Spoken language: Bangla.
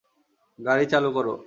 গাড়ি চালু কর!